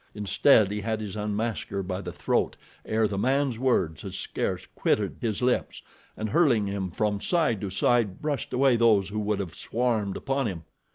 Instead he had his unmasker by the throat ere the man's words had scarce quitted his lips, and hurling him from side to side brushed away those who would have swarmed upon him.